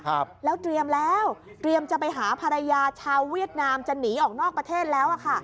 ครับแล้วเตรียมแล้วเตรียมจะไปหาภรรยาชาวเวียดนามจะหนีออกนอกประเทศแล้วอ่ะค่ะ